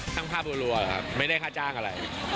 ทั้งภาพหลัวครับไม่ได้กาจางอะไร